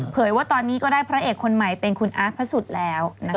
เผยว่าตอนนี้ก็ได้พระเอกคนใหม่เป็นคุณอ๊ากพระสุดแล้ว